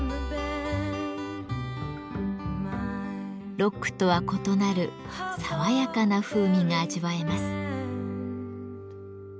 ロックとは異なる爽やかな風味が味わえます。